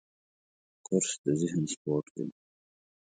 کورس د ذهن سپورټ دی.